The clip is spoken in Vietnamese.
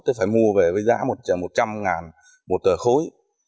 chốt phải mua về với giá một trăm linh ngàn một tờ khối